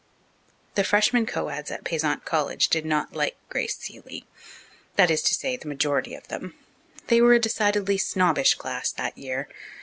The freshmen co eds at Payzant College did not like Grace Seeley that is to say, the majority of them. They were a decidedly snobbish class that year.